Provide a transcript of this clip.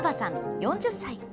４０歳。